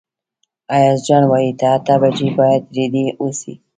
ایاز جان وايي اته بجې باید رېډي اوسئ.